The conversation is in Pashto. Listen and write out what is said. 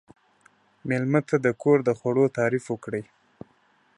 مېلمه ته د کور د خوړو تعریف وکړئ.